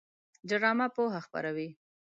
ډرامه پوهه خپروي